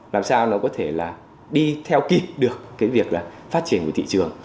làm sao nó có thể là đi theo kịp được cái việc là phát triển của thị trường